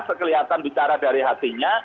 sekelihatan bicara dari hatinya